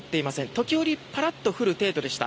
時折パラッと降る程度でした。